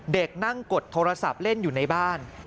เด็กนั่งกดโทรศัพท์เล่นอยู่ในบ้าน